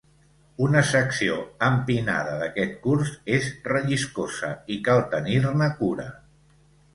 Una secció empinada d'aquest curs és relliscosa i cal tenir-ne cura.